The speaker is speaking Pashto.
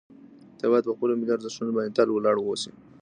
ته باید په خپلو ملي ارزښتونو باندې تل ولاړ واوسې.